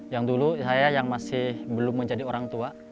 yang dulu saya yang masih belum menjadi orang tua